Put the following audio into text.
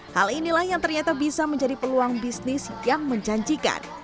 hal inilah yang ternyata bisa menjadi peluang bisnis yang menjanjikan